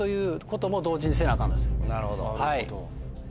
なるほど。